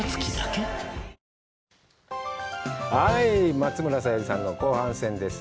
松村沙友理さんの後半戦です。